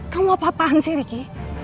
kamu apa apaan sih riki